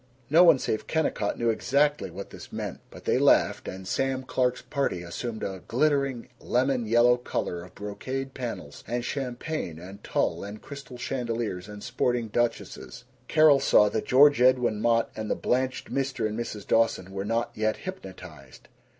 No one save Kennicott knew exactly what this meant, but they laughed, and Sam Clark's party assumed a glittering lemon yellow color of brocade panels and champagne and tulle and crystal chandeliers and sporting duchesses. Carol saw that George Edwin Mott and the blanched Mr. and Mrs. Dawson were not yet hypnotized.